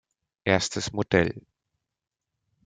Erstes Modell.